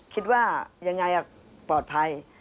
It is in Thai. คิดว่ายังไงปลอดภัย